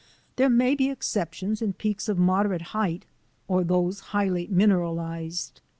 There may be exceptions in peaks of moderate height or those highly mineralized.